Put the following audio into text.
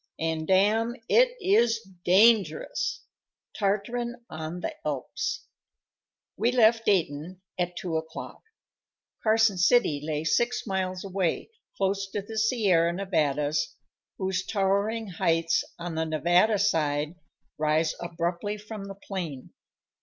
And, dame! it is dangerous! Tartarin on the Alps. We left Dayton at two o'clock. Carson City lay six miles away, close to the Sierra Nevadas, whose towering heights, on the Nevada side, rise abruptly from the plain.